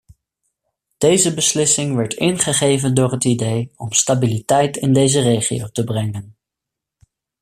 Deze beslissing werd ingegeven door het idee om stabiliteit in deze regio te brengen.